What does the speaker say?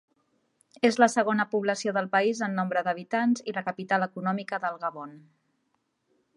És la segona població del país en nombre d'habitants i la capital econòmica del Gabon.